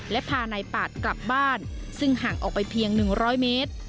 และพานายปาดกลับบ้านซึ่งห่างออกไปเพียง๑๐๐เมตร